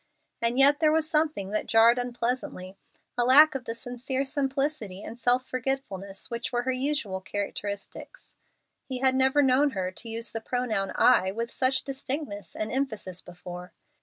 And yet there was something that jarred unpleasantly, a lack of the sincere simplicity and self forgetfulness which were her usual characteristics. He had never known her to use the pronoun "I" with such distinctness and emphasis before.